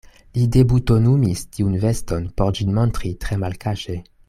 Li debutonumis tiun veston, por ĝin montri tre malkaŝe.